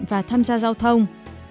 và tham gia giao thông